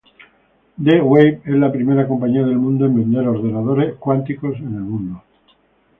D-Wave es la primera compañía del mundo en vender ordenadores cuánticos en el mundo.